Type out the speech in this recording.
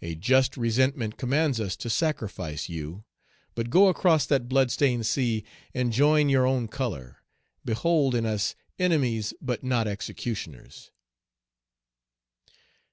A just resentment commands us to sacrifice you; but go across that blood stained sea, and join your own color; behold in us enemies but not executioners."